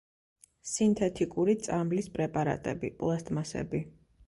სინთეთიკური წამლის პრეპარატები, პლასტმასები.